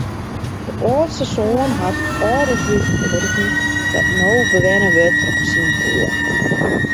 De âldste soan hat it âldershûs urven dat no bewenne wurdt troch syn broer.